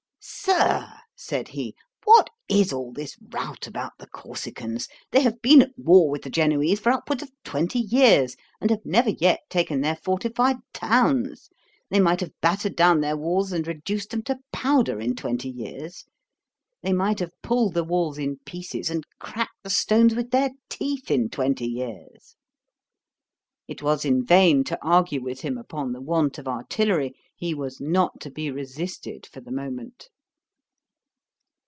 'Sir (said he,) what is all this rout about the Corsicans? They have been at war with the Genoese for upwards of twenty years, and have never yet taken their fortified towns. They might have battered down their walls, and reduced them to powder in twenty years. They might have pulled the walls in pieces, and cracked the stones with their teeth in twenty years.' It was in vain to argue with him upon the want of artillery: he was not to be resisted for the moment.